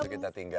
itu kita tinggal